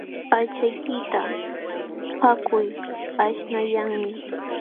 Aychaykita paqakuy aśhnayanmi.